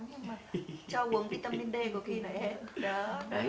nhưng mà cho uống vitamin d có khi này